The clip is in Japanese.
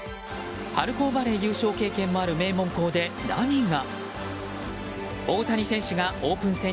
春高バレー優勝経験もある名門校で何が。